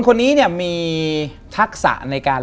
แต่ขอให้เรียนจบปริญญาตรีก่อน